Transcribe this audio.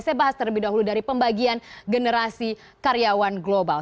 saya bahas terlebih dahulu dari pembagian generasi karyawan global